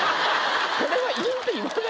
これは韻って言わない。